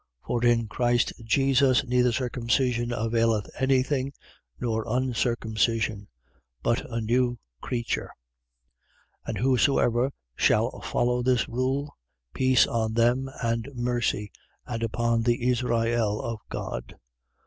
For in Christ Jesus neither circumcision availeth any thing, nor uncircumcision: but a new creature. 6:16. And whosoever shall follow this rule, peace on them and mercy: and upon the Israel of God. 6:17.